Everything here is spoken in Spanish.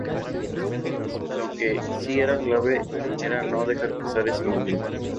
Lo que sí era clave era no dejar pasar ese momento.